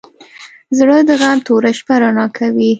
زړه د غم توره شپه رڼا کوي.